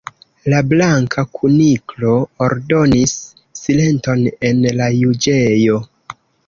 La Blanka Kuniklo ordonis: "Silenton en la juĝejo."